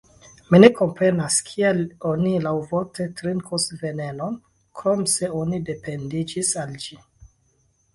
Mi ne komprenas kiel oni laŭvole trinkus venenon, krom se oni dependiĝis al ĝi.